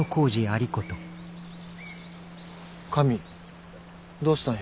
髪どうしたんや。